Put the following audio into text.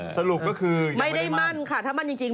สรุปก็คืออย่างไม่ได้มั่นไม่ได้มั่นค่ะถ้ามั่นจริง